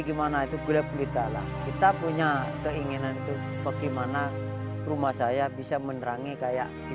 gimana itu gula pelita lah kita punya keinginan itu bagaimana rumah saya bisa menerangi kayak di